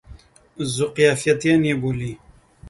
ذوقافیتین یې بولي.